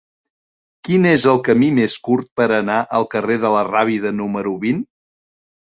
Quin és el camí més curt per anar al carrer de la Rábida número vint?